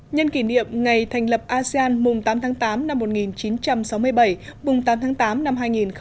nhân kỷ niệm ngày thành lập asean mùng tám tháng tám năm một nghìn chín trăm sáu mươi bảy mùng tám tháng tám năm hai nghìn hai mươi